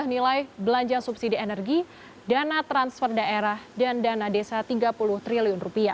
dan kenaikan harga minyak dunia juga bakal menilai belanja subsidi energi dana transfer daerah dan dana desa rp tiga puluh triliun